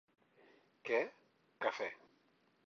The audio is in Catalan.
Què? / —Cafè.